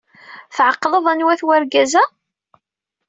Tɛeqleḍ anwa-t wergaz-a?